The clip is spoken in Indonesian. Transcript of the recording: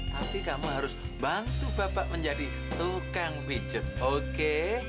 tapi kamu harus bantu bapak menjadi tukang pijat oke